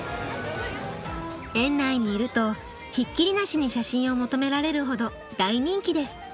園内にいるとひっきりなしに写真を求められるほど大人気です。